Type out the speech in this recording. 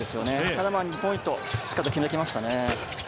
ただ２ポイントしっかり決めてきましたね。